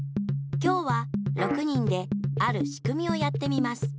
きょうは６にんであるしくみをやってみます。